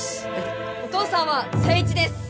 お父さんは誠一です。